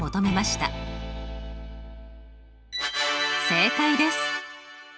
正解です。